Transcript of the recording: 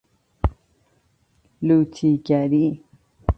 لوطی گری